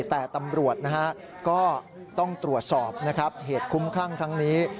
แต่ตำรวจก็ต้องตรวจสอบเหตุคุ้มข้างทั้งนี้